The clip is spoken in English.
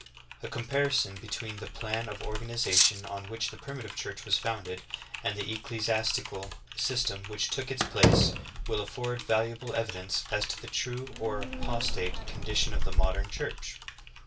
2. A comparison between the plan of organization on which the Primitive Church was founded and the ecclesi astical system which took its place will afford valuable evi dence as to the true or apostate condition of the modern Church.